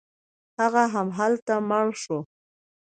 هغه همالته مړ شو.